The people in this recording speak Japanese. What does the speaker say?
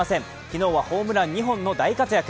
昨日はホームラン２本の大活躍。